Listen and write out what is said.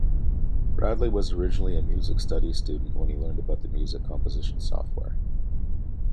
Bradley was originally a music studies student when he learned about music composition software.